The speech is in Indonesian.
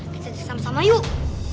kita bersama sama yuk